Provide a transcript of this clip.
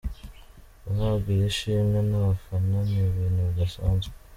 Guhabwa iri shimwe n’abafana ni ibintu bidasanzwe.